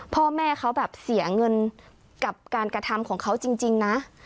พ่อแม่เขาแบบเสียเงินกับการกระทำของเขาจริงนะ